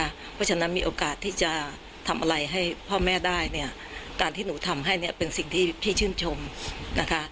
เพราะฉะนั้นมีโอกาสที่จะทำอะไรให้พ่อแม่ได้เนี่ยการที่หนูทำให้เนี่ยเป็นสิ่งที่พี่ชื่นชมนะคะ